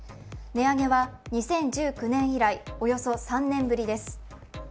値上げは２０１９年以来、およそ３年ぶりです。